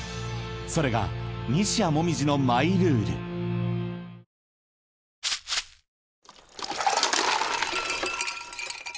［それが西矢椛のマイルール］いい汗。